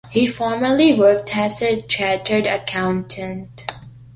He formerly worked as a chartered accountant.